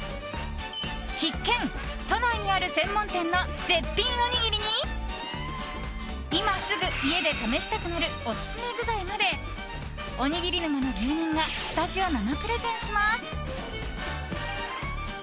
必見、都内にある専門店の絶品おにぎりに今すぐ家で試したくなるオススメ具材までおにぎり沼の住人がスタジオ生プレゼンします。